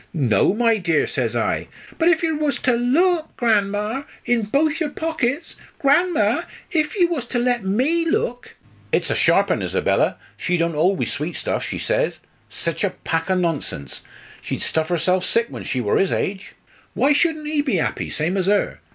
'No, my dear,' says I. 'But if you was to look, Gran'ma in both your pockets, Gran'ma iv you was to let me look?' It's a sharp un Isabella, she don't 'old wi' sweet stuff, she says, sich a pack o' nonsense. She'd stuff herself sick when she wor 'is age. Why shouldn't ee be happy, same as her?